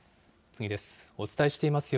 次です。